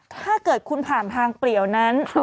ถ้าเกิดคุณผ่านทางเปลี่ยวนั้น